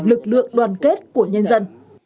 lực lượng đoàn kết của nhân dân